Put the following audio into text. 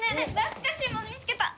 懐かしいもの見つけた！